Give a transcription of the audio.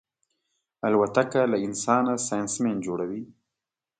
الوتکه له انسانه ساینسمن جوړوي.